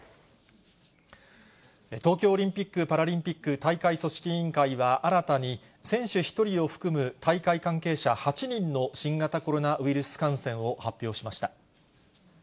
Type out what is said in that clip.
東京オリンピック・パラリンピック大会組織委員会は、新たに選手１人を含む大会関係者８人の新型コロナウイルス感染を発表しました。